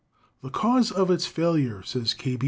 "The cause of its failure," says K.